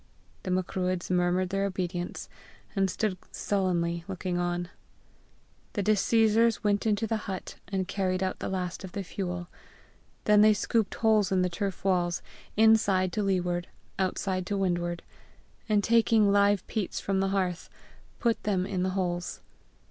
'" The Macruadhs murmured their obedience, and stood sullenly looking on. The disseizors went into the hut, and carried out the last of the fuel. Then they scooped holes in the turf walls, inside to leeward, outside to windward, and taking live peats from the hearth, put them in the holes.